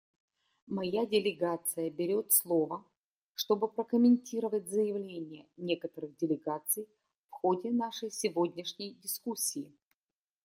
Моя делегация берет слово, чтобы прокомментировать заявления некоторых делегаций в ходе нашей сегодняшней дискуссии.